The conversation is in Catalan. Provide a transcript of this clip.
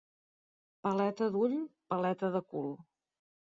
Paleta d'ull, paleta de cul.